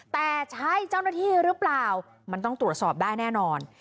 แต่ใช่เจ้าหน้าที่หรือเปล่ามันต้องตรวจสอบได้แน่นอน